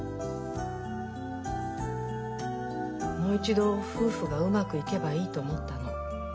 もう一度夫婦がうまくいけばいいと思ったの。